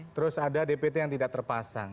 terus ada dpt yang tidak terpasang